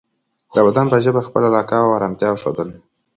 د بدن په ژبه خپله علاقه او ارامتیا ښودل